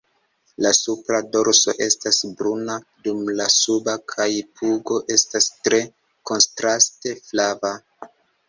La supra dorso estas bruna, dum la suba kaj pugo estas tre kontraste flava.